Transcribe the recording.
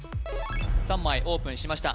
３枚オープンしました